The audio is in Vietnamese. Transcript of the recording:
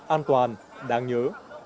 an toàn đáng nhớ